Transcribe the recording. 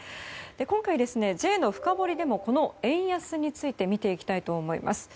今回、Ｊのフカボリでもこの円安について見ていきたいと思います。